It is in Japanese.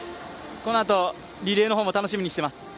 このあとリレーの方も楽しみにしています。